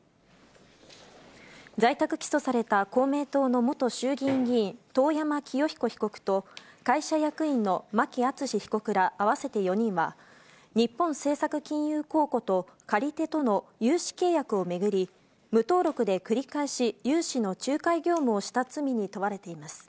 在宅起訴された公明党の元衆議院議員、遠山清彦被告と、会社役員の牧厚被告ら合わせて４人は、日本政策金融公庫と借り手との融資契約を巡り、無登録で繰り返し融資の仲介業務をした罪に問われています。